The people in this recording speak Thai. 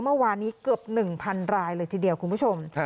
เมื่อวานนี้เกือบ๑๐๐รายเลยทีเดียวคุณผู้ชม